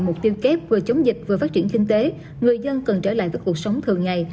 mục tiêu kép vừa chống dịch vừa phát triển kinh tế người dân cần trở lại với cuộc sống thường ngày